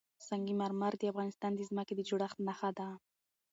سنگ مرمر د افغانستان د ځمکې د جوړښت نښه ده.